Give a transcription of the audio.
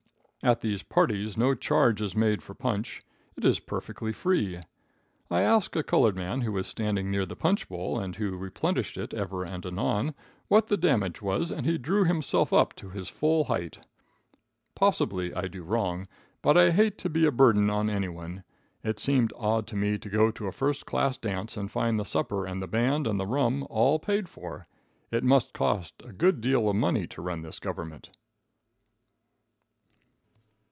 At these parties no charge is made for punch. It is perfectly free. I asked a colored man who was standing near the punch bowl, and who replenished it ever and anon, what the damage was, and he drew himself up to his full height. Possibly I did wrong, but I hate to be a burden on anyone. It seemed odd to me to go to a first class dance and find the supper and the band and the rum all paid for. It must cost a good deal of money to run this government.